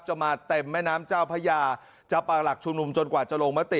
มาเต็มแม่น้ำเจ้าพระยาจะปากหลักชุมนุมจนกว่าจะลงมติ